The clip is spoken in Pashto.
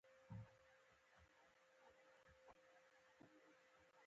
د هغې شونډې چې تل تازه وې اوس وچې وې